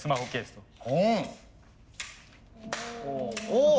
お！